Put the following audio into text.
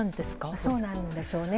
そうなんでしょうね。